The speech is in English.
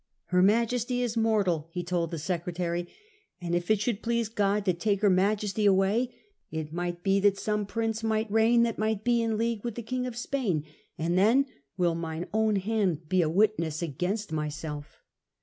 " Her Majesty is mortal," he told ' IV HIS INTERVIEW WITH THE QUEEN 57 the Secretary, "and if it should please God to take Her Majesty away, it might be that some Prince might reign that might be in league with the King of Spain, and then will mine own hand be a witness against myself."